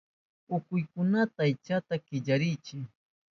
Unkuykunaka aychanta killarichin.